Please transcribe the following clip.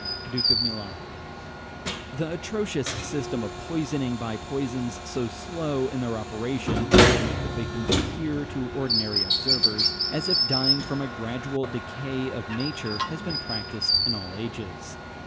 Duke of Milan. The atrocious system of poisoning by poisons so slow in their operation as to make the victim appear, to ordinary observers, as if dying from a gradual decay of nature, has been practised in all ages.